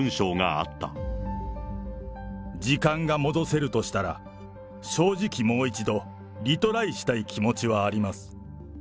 時間が戻せるとしたら、正直もう一度、リトライしたい気持ちはあります。